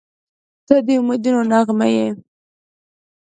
• ته د امیدونو نغمه یې.